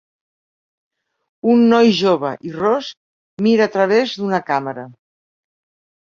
Un noi jove i ros mira a través d'una càmera.